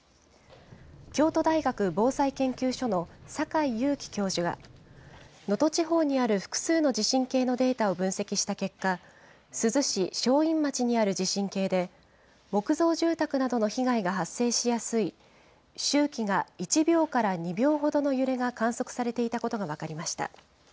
京都大学防災研究所の境有紀教授は、能登地方にある複数の地震計のデータを分析した結果、珠洲市正院町にある地震計で、木造住宅などの被害が発生しやすい周期が１秒から２秒ほどの揺れが観測されていたことが分かりました。